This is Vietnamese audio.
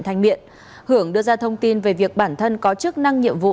thành miện hưởng đưa ra thông tin về việc bản thân có chức năng nhiệm vụ